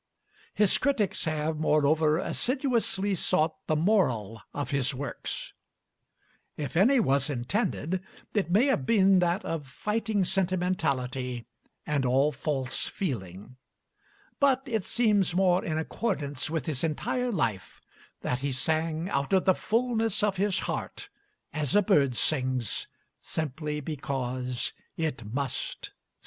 His critics have, moreover, assiduously sought the moral of his works. If any was intended, it may have been that of fighting sentimentality and all false feeling; but it seems more in accordance with his entire life that he sang out of the fullness of his heart, as a bird sings, simply because it must sing.